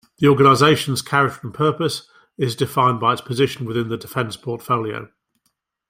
The organisation's character and purpose is defined by its position within the Defence portfolio.